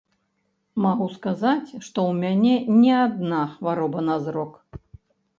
Магу сказаць, што ў мяне не адна хвароба на зрок.